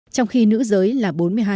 trong khi nữ giới là bốn mươi hai